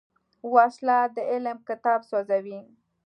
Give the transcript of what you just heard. وسله د علم کتاب سوځوي